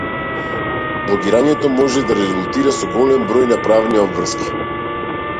Блогирањето може да резултира со голем број на правни обврски.